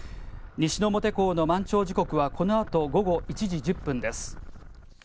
西之表港の満潮時刻はこのあと午後１時１０分です。